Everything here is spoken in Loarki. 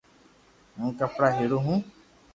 ھون ڪپڙا ھيڙيو ھون